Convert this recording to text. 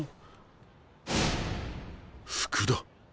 福田。